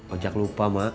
ojek lupa mbak